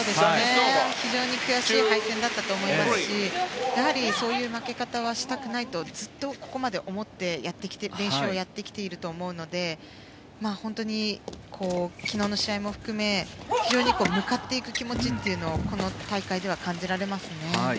非常に悔しい敗戦だったと思いますしやはりそういう負け方はしたくないとずっとここまで思って練習をやってきていると思うので本当に、昨日の試合も含め非常に向かっていく気持ちをこの大会では感じられますね。